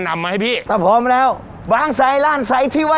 ดีเจนุ้ยสุดจีลา